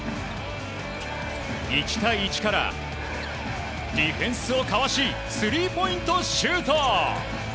１対１からディフェンスをかわしスリーポイントシュート！